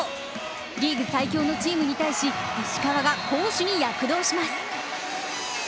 リーグ最強のチームに対し石川が攻守に躍動します。